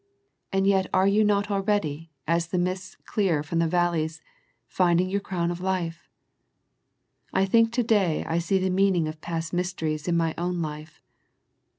And yet are you not already, as the mists clear from the valleys, finding your crown of life? I think to day I see the meaning of past mysteries in my own life.